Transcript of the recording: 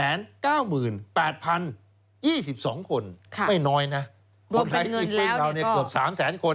เล่นกลัวในปีเราเกือบ๓แสนคน